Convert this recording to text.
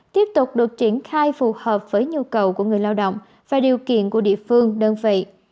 tiếp tục được triển khai phù hợp với nhu cầu của người lao động và điều kiện của địa phương đơn vị